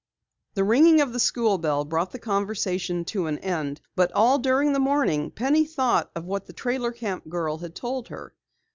The ringing of the school bell brought the conversation to an end, but all during the morning Penny thought of what the trailer camp girl had told her.